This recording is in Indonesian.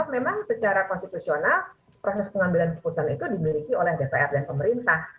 memang secara konstitusional proses pengambilan keputusan itu dimiliki oleh dpr dan pemerintah